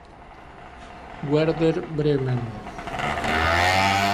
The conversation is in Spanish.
Werder Bremen